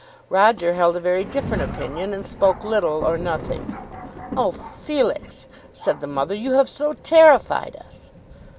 Roger held a very different opinion, and spoke little or nothing. "Oh, Felix," said the mother, "you have so terrified us!"